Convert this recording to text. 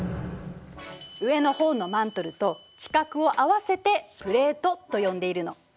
上のほうのマントルと地殻を合わせてプレートと呼んでいるの。